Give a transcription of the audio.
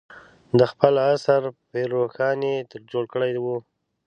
د خپل عصر پير روښان یې ترې جوړ کړی و.